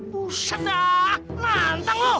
buset dah manteng lo